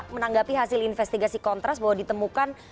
menanggapi hasil investigasi kontras bahwa ditemukan